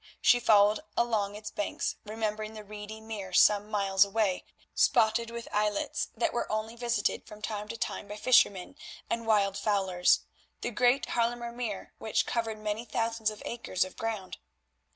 She followed along its banks, remembering the reedy mere some miles away spotted with islets that were only visited from time to time by fishermen and wild fowlers; the great Haarlemer Meer which covered many thousands of acres of ground.